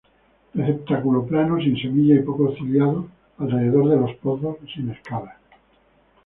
Receptáculo plano, sin semilla y poco ciliado alrededor de los pozos, sin escalas.